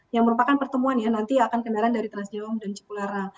yang merupakan pertemuan ya nanti akan kendaraan dari transjawang dan cipularang